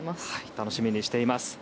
楽しみにしています。